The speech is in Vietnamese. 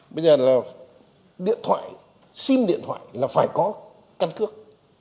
bây giờ là điện thoại sim điện thoại là phải có căn cước